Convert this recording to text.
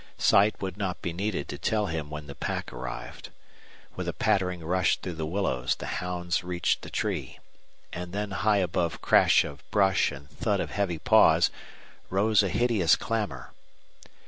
Sight would not be needed to tell him when the pack arrived. With a pattering rush through the willows the hounds reached the tree; and then high above crash of brush and thud of heavy paws rose a hideous clamor.